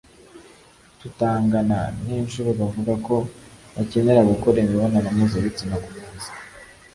tutangana n’inshuro bavuga ko bakenera gukora imibonano mpuzabitsina ku munsi